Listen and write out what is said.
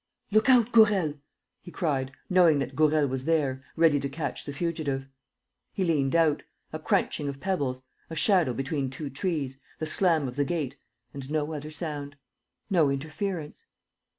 "Look out, Gourel!" he cried, knowing that Gourel was there, ready to catch the fugitive. He leant out. A crunching of pebbles ... a shadow between two trees, the slam of the gate. ... And no other sound ... no interference.